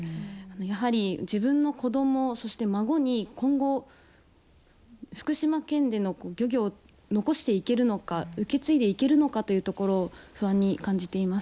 やはり自分の子ども、そして孫に今後、福島県での漁業を残していけるのか受け継いでいけるのかというところを不安に感じています。